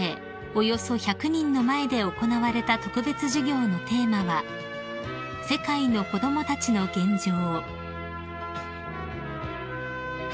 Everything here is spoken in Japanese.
およそ１００人の前で行われた特別授業のテーマは「世界の子供たちの現状」］